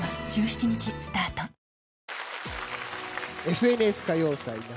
「ＦＮＳ歌謡祭夏」